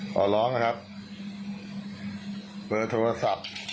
ขอร้องนะครับเบอร์โทรศัพท์